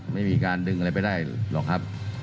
ไม่มีการดึงอะไรไปได้หรอกครับ